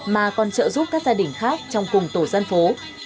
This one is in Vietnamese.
mà còn trợ giúp các gia đình khác trong cùng tổ dân phố